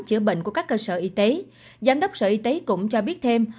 chữa bệnh của các cơ sở y tế giám đốc sở y tế cũng cho biết thêm